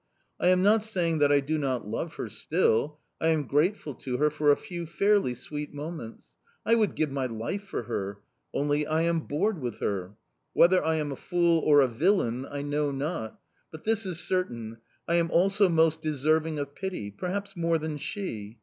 I am not saying that I do not love her still; I am grateful to her for a few fairly sweet moments; I would give my life for her only I am bored with her... Whether I am a fool or a villain I know not; but this is certain, I am also most deserving of pity perhaps more than she.